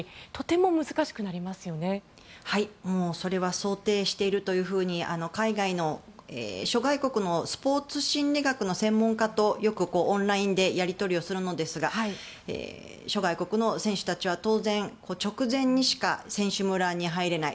もうそれは想定しているというふうに海外の諸外国のスポーツ心理学の専門家とよくオンラインでやり取りするんですが諸外国の選手たちは当然直前にしか選手村に入れない。